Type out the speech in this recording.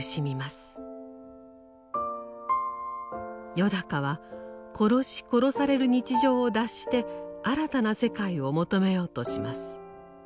よだかは殺し殺される日常を脱して新たな世界を求めようとします。